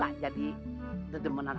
mau gak jadi dedemenan abang